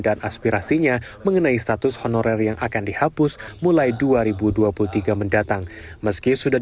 aspirasinya mengenai status honorer yang akan dihapus mulai dua ribu dua puluh tiga mendatang meski sudah